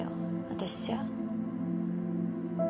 私じゃ。